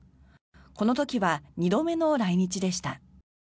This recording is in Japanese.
この時は２度目の来日でした。